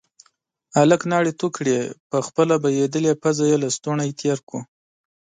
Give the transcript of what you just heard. هلک لاړې تو کړې، پر خپله بهيدلې پزه يې لستوڼی تير کړ.